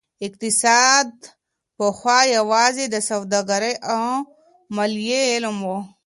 اقتصاد پخوا يوازي د سوداګرۍ او ماليې علم و.